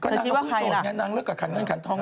นางเขาเกือบส่วนเนี่ยนางเลือกกับขันนั้นขันทองให้เที่ยว